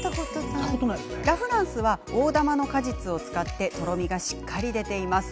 ラ・フランスは大玉の果実を使ってとろみがしっかり出ています。